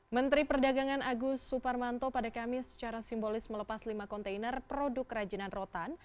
menteri perdagangan agus suparmanto pada kamis secara simbolis melepas lima kontainer produk kerajinan rotan